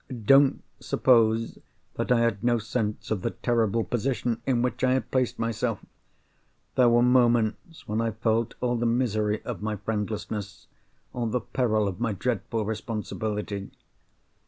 Don't suppose that I had no sense of the terrible position in which I had placed myself! There were moments when I felt all the misery of my friendlessness, all the peril of my dreadful responsibility.